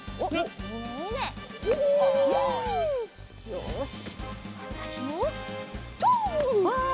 よしわたしもとうっ！